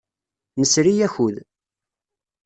Nesri akud.